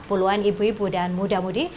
puluhan ibu ibu dan muda mudi